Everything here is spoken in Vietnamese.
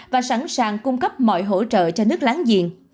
và sẵn sàng cung cấp mọi hỗ trợ cho nước láng giềng